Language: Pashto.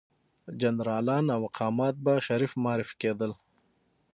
جنرالان او مقامات به شریف معرفي کېدل.